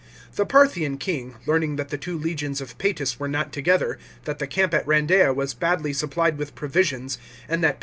The Parthian king, learning that the two legions of Paetus were not together, that the camp at Randeia was badly supplied with provisions, and that Pa?